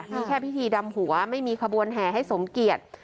มีแค่พิธีดำหัวไม่มีขบวนแห่ให้สมเกียจ